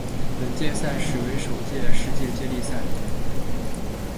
本届赛事为首届世界接力赛。